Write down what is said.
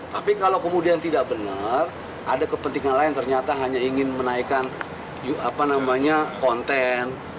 tapi kalau kemudian tidak benar ada kepentingan lain ternyata hanya ingin menaikkan konten